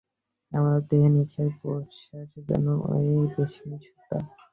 আমাদের দেহে নিঃশ্বাস-প্রশ্বাস যেন ঐ রেশমী সুতা।